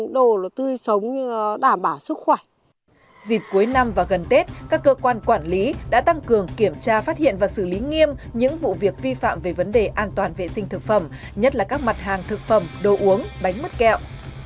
dịp cuối năm và gần tết các cơ quan quản lý đã tăng cường kiểm tra phát hiện và xử lý nghiêm những vụ việc vi phạm về vấn đề an toàn vệ sinh thực phẩm nhất là các mặt hàng thực phẩm đồ uống bánh mứt kẹo